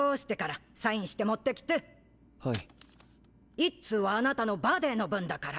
１通はあなたのバデェの分だから。